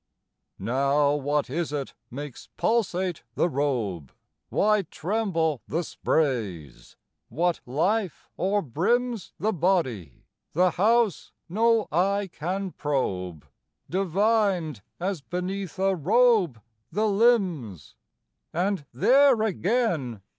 Now, what is it makes pulsate the robe? Why tremble the sprays? What life o'erbrims 10 The body, the house no eye can probe, Divined, as beneath a robe, the limbs? And there again!